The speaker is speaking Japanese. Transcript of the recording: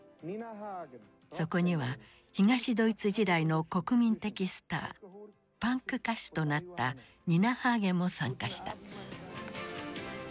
そこには東ドイツ時代の国民的スターパンク歌手となったニナ・ハーゲンも参加した。